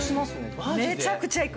めちゃくちゃ行く。